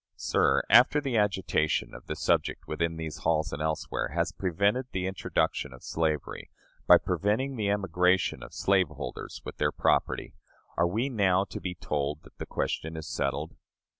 Sir, after the agitation of the subject within these halls and elsewhere has prevented the introduction of slavery by preventing the emigration of slaveholders with their property are we now to be told that the question is settled?